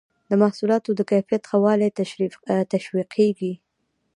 د محصولاتو د کیفیت ښه والی تشویقیږي.